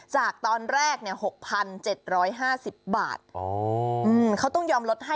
จากตอนแรกเนี่ย๖๗๕๐บาทเขาต้องยอมลดให้